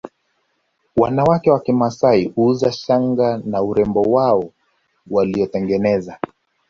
Wanawake wa kimasai huuza shanga na urembo wao waliotengeneza